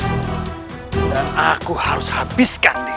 dan aku harus habiskan dia